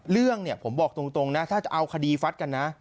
เรื่องเนี่ยผมบอกตรงนะถ้าจะเอาคดีฟัดกันนะ